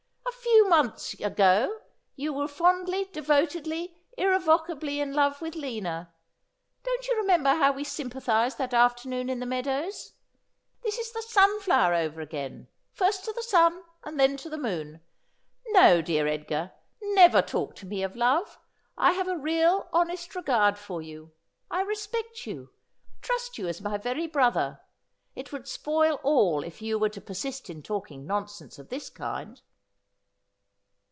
' A few months ago you were fondly, devotedly, irrevocably in love with Lina. Don't you remember how we sympathised that afternoon in the meadows ? This is the sunflower over again : first to the sun and then to the moon. No, dear Edgar, never talk to me of love. I have a real honest regard for you. I respect you. I trust you as my very brother. It would spoil all if you were to persist in talking nonsense of this kind.'